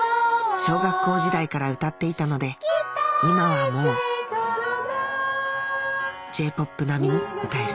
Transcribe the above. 小学校時代から歌っていたので今はもう Ｊ ー ＰＯＰ 並みに歌える